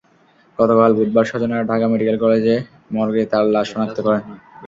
গতকাল বুধবার স্বজনেরা ঢাকা মেডিকেল কলেজ মর্গে তাঁর লাশ শনাক্ত করেন।